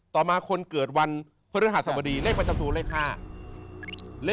ต่อมาคนเกิดวันเพื่อเริ่มหาสมดีเลขประจำตูก็คือเลข๕